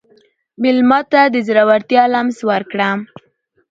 مېلمه ته د زړورتیا لمس ورکړه.